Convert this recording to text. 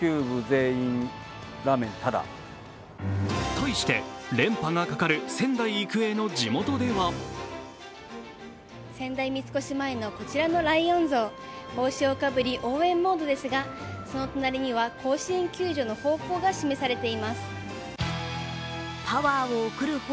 対して、連覇がかかる仙台育英の地元では仙台三越前のこちらのライオン像、帽子をかぶり、応援モードですが、その隣には甲子園球場の方向が示されています。